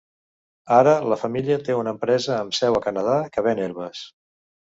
Ara la família té una empresa amb seu a Canadà que ven herbes.